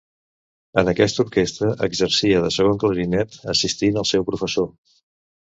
En aquesta orquestra exercia de segon clarinet assistint al seu professor.